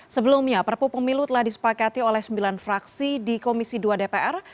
sebelumnya perpu pemilu telah disepakati oleh sembilan fraksi di komisi dua dpr